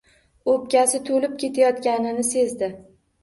O‘pkasi to‘lib ketayotganini sezdi